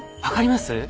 分かります？